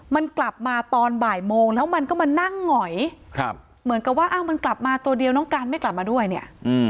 มันกลับมาตอนบ่ายโมงแล้วมันก็มานั่งหงอยเหมือนกับว่าอ้าวมันกลับมาตัวเดียวน้องการไม่กลับมาด้วยเนี่ย